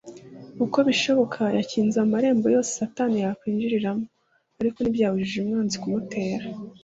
Uko bishoboka, yakinze amarembo yose Satani yakwinjiriramo, ariko ntibyabujije umwanzi kumutera